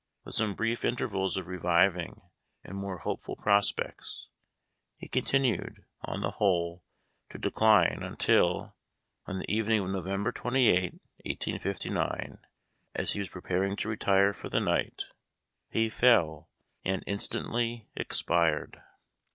With some brief intervals of reviving and more hopeful prospects, he con tinued, on the whole, to decline, until on the evening of November 28, 1859, as he was pre paring to retire for the night, he fell and in stantly expired.